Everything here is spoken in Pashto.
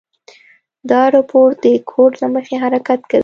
دا روبوټ د کوډ له مخې حرکت کوي.